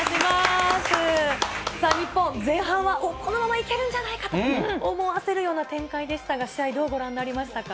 さあ、日本、前半はもうこのままいけるんじゃないかと思わせるような展開でしたが、試合、どうご覧になりましたか。